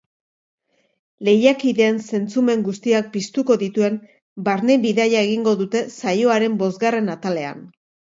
Lehiakideen zentzumen guztiak piztuko dituen barne bidaia egingo dute saioaren bosgarren atalean.